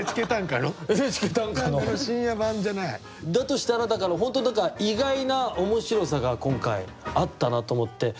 としたらだから本当何か意外な面白さが今回あったなと思って。